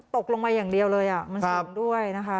ตกลงมาอย่างเดียวเลยมันสูงด้วยนะคะ